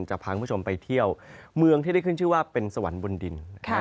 จะพาคุณผู้ชมไปเที่ยวเมืองที่ได้ขึ้นชื่อว่าเป็นสวรรค์บนดิน